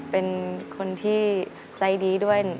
เป็นคนที่ใจดีด้วย